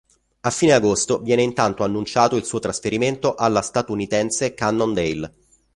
A fine agosto viene intanto annunciato il suo trasferimento alla statunitense Cannondale.